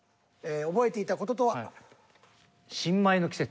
覚えていた事とは？